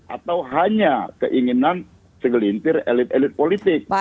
atau hanya keinginan segelintir elit elit politik